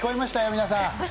皆さん。